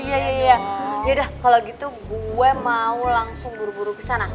yaudah kalau gitu gue mau langsung buru buru ke sana